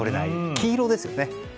黄色ですよね。